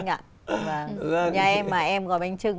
nhà em mà em gọi bánh trưng